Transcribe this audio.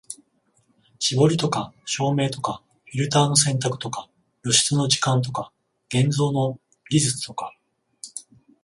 絞りとか照明とかフィルターの選択とか露出の時間とか現像の技術とか、